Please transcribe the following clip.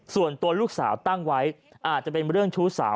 ส่วนตัวลูกสาวตั้งไว้อาจจะเป็นเรื่องชู้สาว